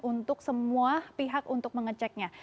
untuk semua pihak untuk mengeceknya